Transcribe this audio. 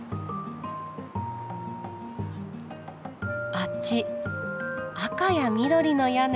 あっち赤や緑の屋根。